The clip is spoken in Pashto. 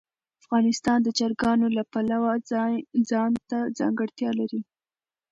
افغانستان د چرګانو له پلوه ځانته ځانګړتیا لري.